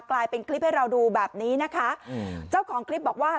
กลายเป็นคลิปให้เราดูแบบนี้นะคะอืมเจ้าของคลิปบอกว่า